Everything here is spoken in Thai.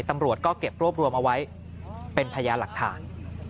ตำรวจก็เก็บรวบรวมเอาไว้เป็นพยานหลักฐาน